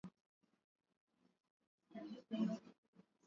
Shida itaniua